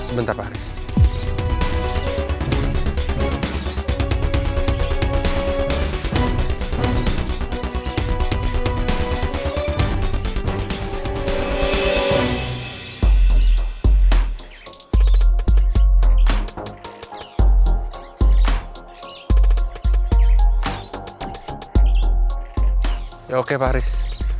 sebentar pak haris